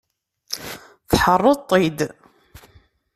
Tḥerreḍ-t-id.